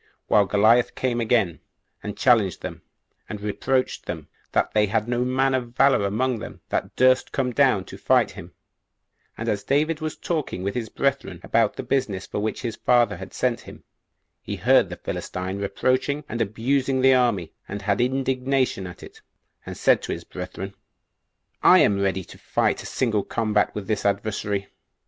While Goliath came again, and challenged them, and reproached them, that they had no man of valor among them that durst come down to fight him; and as David was talking with his brethren about the business for which his father had sent him, he heard the Philistine reproaching and abusing the army, and had indignation at it, and said to his brethren, "I am ready to fight a single combat with this adversary."